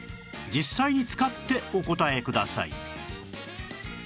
実際に使ってお答えください